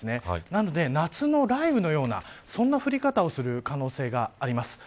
なので夏の雷雨のような降り方をする可能性があります。